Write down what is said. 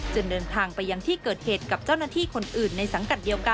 เดินทางไปยังที่เกิดเหตุกับเจ้าหน้าที่คนอื่นในสังกัดเดียวกัน